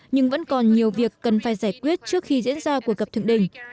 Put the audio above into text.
nhưng vẫn còn nhiều việc cần phải giải quyết trước khi diễn ra cuộc gặp thượng đỉnh